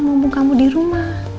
mumpung kamu di rumah